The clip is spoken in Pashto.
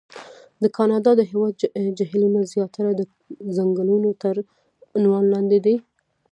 د کاناډا د هېواد جهیلونه زیاتره د کنګلونو تر عنوان لاندې دي.